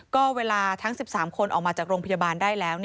ก็เวลาทั้ง๑๓คนออกมาจากโรงพยาบาลได้แล้ว